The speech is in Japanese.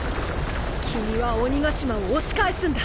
君は鬼ヶ島を押し返すんだ。